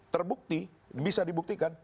terbukti bisa dibuktikan